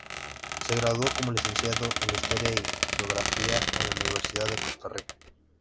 Se graduó como Licenciado en Historia y Geografía en la Universidad de Costa Rica.